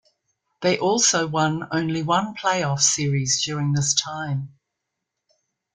They also won only one playoff series during this time.